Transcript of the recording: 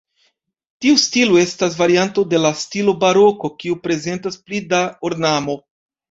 Tiu stilo estas varianto de la stilo baroko, kiu prezentas pli da ornamo.